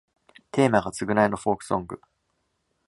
テーマが償いのフォークソング